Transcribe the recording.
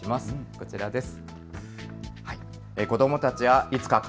こちらです。